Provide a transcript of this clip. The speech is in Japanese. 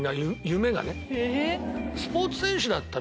夢がね。